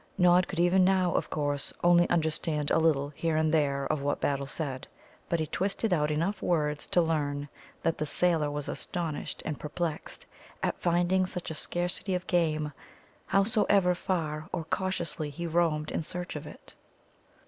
Nod could even now, of course, only understand a little here and there of what Battle said. But he twisted out enough words to learn that the sailor was astonished and perplexed at finding such a scarcity of game, howsoever far or cautiously he roamed in search of it.